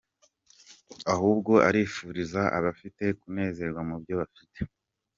Ahubwo arifuriza abifite kunezerwa mu byo bafite.